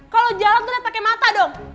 kalau jalan tuh liat pake mata dong